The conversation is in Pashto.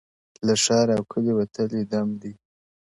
له ښار او کلي وتلی دم دی-